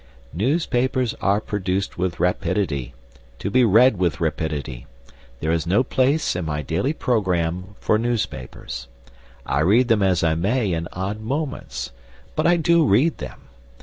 Newspapers are produced with rapidity, to be read with rapidity. There is no place in my daily programme for newspapers. I read them as I may in odd moments. But I do read them.